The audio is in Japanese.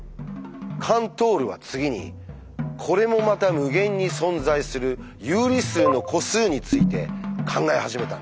カントールは次にこれもまた無限に存在する「有理数の個数」について考え始めたんです。